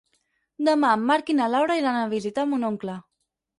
Demà en Marc i na Laura iran a visitar mon oncle.